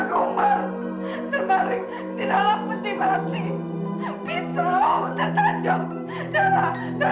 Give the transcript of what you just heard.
sampai jumpa di video selanjutnya